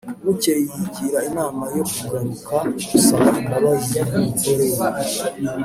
Bukeye yigira inama yo kugaruka gusaba imbabazi umugore we